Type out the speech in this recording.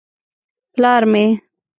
_ پلار مې.